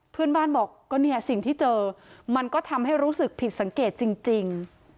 เพื่อนบ้านบอกก็เนี่ยสิ่งที่เจอมันก็ทำให้รู้สึกผิดสังเกตจริง